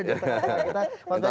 mbak ferry terima kasih